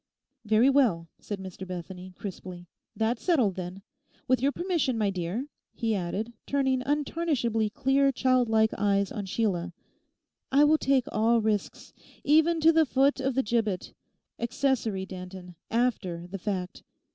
'Very well,' said Mr Bethany crisply, 'that's settled, then. With your permission, my dear,' he added, turning untarnishably clear childlike eyes on Sheila, 'I will take all risks—even to the foot of the gibbet: accessory, Danton, after the fact.